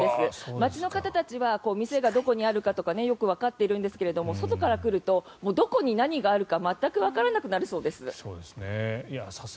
町の方たちは店がどこにあるかとかよくわかっているんですが外から来ると、どこに何があるか全くわからなくなるそうです。